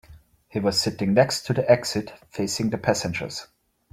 He was sitting next to the exit, facing the passengers.